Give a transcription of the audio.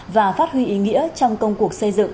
và phát huy ý nghĩa trong công cuộc xây dựng